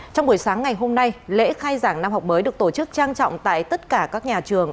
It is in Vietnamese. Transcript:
trong buổi sáng ngày hôm nay lễ khai giảng năm học mới được tổ chức trang trọng tại tất cả các nhà trường